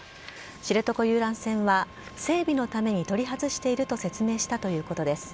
知床遊覧船は整備のために取り外していると説明したということです。